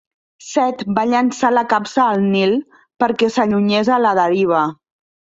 Set va llançar la capsa al Nil perquè s'allunyes a la deriva.